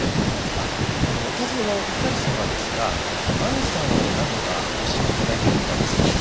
あっお尋ねの猪狩様ですがマミさんを何度かご指名頂いてるみたいです。